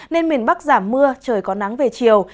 nên miền bắc giảm mưa trời có nắng về chiều